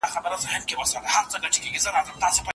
د عکرمه رضي الله عنه څخه روايت کوي.